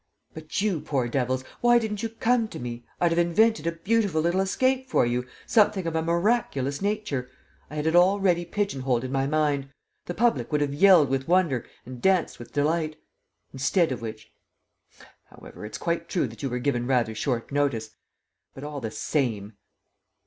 ... But, you poor devils, why didn't you come to me? I'd have invented a beautiful little escape for you, something of a miraculous nature. I had it all ready pigeon holed in my mind! The public would have yelled with wonder and danced with delight. Instead of which ... However, it's quite true that you were given rather short notice ... but all the same